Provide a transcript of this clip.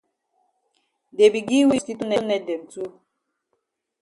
Dey be gi we mosquito net dem too.